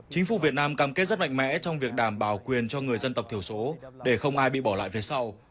chính phủ việt nam cam kết rất mạnh mẽ trong việc đảm bảo quyền cho người dân tộc thiểu số để không ai bị bỏ lại phía sau